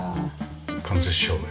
間接照明。